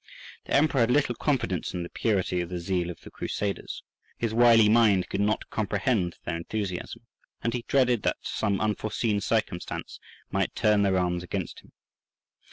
The Emperor had little confidence in the purity of the zeal of the Crusaders; his wily mind could not comprehend their enthusiasm, and he dreaded that some unforeseen circumstance might turn their arms against himself.